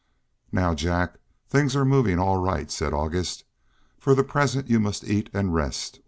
"Now, Jack, things are moving all right," said August. "For the present you must eat and rest.